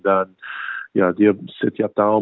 dan ya dia setiap tahun